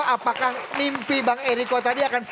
apakah mimpi bang eriko tadi akan